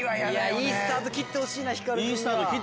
いいスタート切ってほし